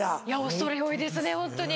恐れ多いですねホントに。